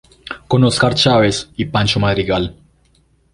Con Óscar Chávez y Pancho Madrigal.